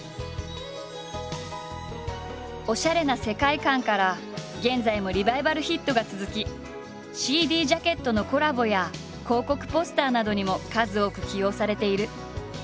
おしゃれな世界観から現在もリバイバルヒットが続きＣＤジャケットのコラボや広告ポスターなどにも数多く起用されている。